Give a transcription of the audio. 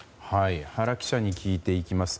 原記者に聞いていきます。